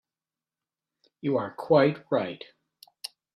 You are quite right.